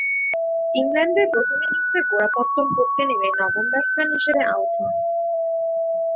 ইংল্যান্ডের প্রথম ইনিংসের গোড়াপত্তন করতে নেমে নবম ব্যাটসম্যান হিসেবে আউট হন।